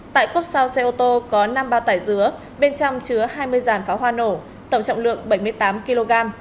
tại cốc sau xe ô tô có năm bao tải dứa bên trong chứa hai mươi dàn pháo hoa nổ tổng trọng lượng bảy mươi tám kg